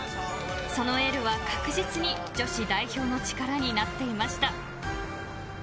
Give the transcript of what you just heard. そのエールは確実に女子代表の力になっていました。